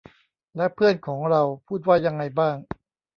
แล้วเพื่อนของเราพูดว่ายังไงบ้าง